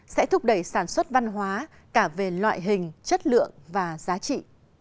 sẽ thúc đẩy sản xuất văn hóa cả về loại hình chất lượng và giá trị